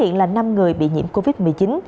năm người bị nhiễm covid một mươi chín